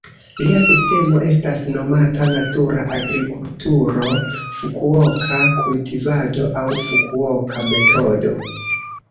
Lia sistemo estas nomata "natura agrikulturo", "Fukuoka-kultivado" aŭ "Fukuoka-Metodo".